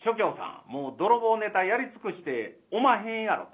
もう泥棒ネタやり尽くしておまへんやろ」と。